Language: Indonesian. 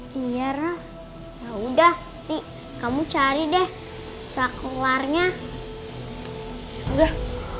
biar udah nih kamu cari deh saklarnya udah